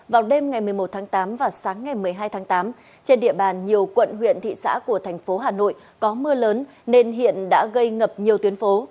vào đêm ngày một mươi một tháng tám và sáng ngày một mươi hai tháng tám trên địa bàn nhiều quận huyện thị xã của thành phố hà nội có mưa lớn nên hiện đã gây ngập nhiều tuyến phố